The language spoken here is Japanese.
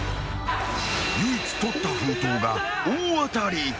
［唯一取った封筒が大当たり］